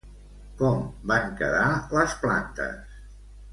Com van quedar les plantes?